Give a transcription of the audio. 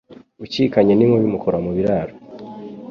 Ukikanye n'inkuba imukura mu biraro.